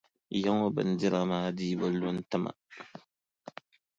Yaŋɔ bindira maa dii bi lu n-ti ma.